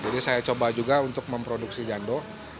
jadi saya coba juga untuk memproduksi jandol